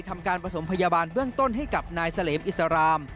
ทำการประถมพยาบาลเบื้องต้นให้กับนายเสลมอิสราม